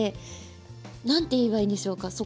何て言えばいいんでしょうか